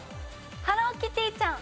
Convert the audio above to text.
ハローキティちゃん。